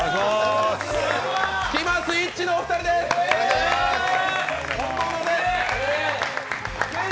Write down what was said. スキマスイッチのお二人です、本物です！